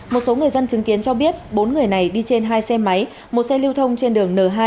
một số người dân chứng kiến cho biết bốn người này đi trên hai xe máy một xe lưu thông trên đường n hai